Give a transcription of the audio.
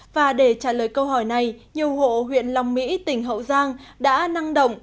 và để trả lời câu hỏi này nhiều hộ huyện long mỹ tỉnh hậu giang đã năng động